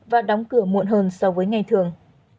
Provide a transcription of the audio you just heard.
và đóng cửa muộn hơn so với ngày thường